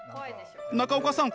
中岡さん